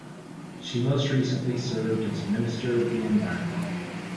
She most recently served as Minister of the Environment.